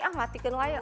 ah matikan lah ya